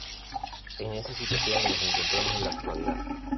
En esa situación nos encontramos en la actualidad.